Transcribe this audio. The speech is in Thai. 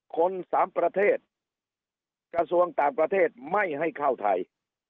คนสามประเทศกระทรวงต่างประเทศไม่ให้เข้าไทย